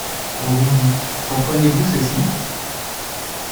On vous dit, comprenez-vous ceci ?